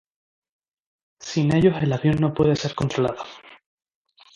Sin ellos el avión no puede ser controlado.